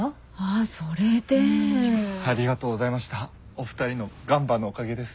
お二人のガンバのおかげです。